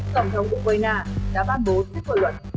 tổng thống của ukraine đã ban bố thích vội luận